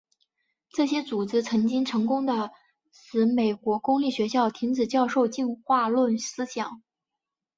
这些组织曾经成功地使美国公立学校停止教授进化论思想。